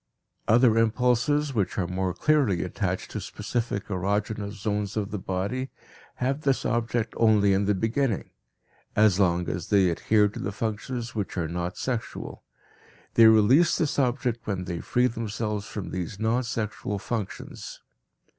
Other impulses which are more clearly attached to specific erogenous zones of the body have this object only in the beginning, as long as they adhere to the functions which are not sexual; they release this object when they free themselves from these non sexual functions.